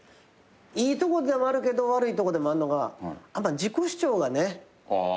いいとこでもあるけど悪いとこでもあんのが自己主張がね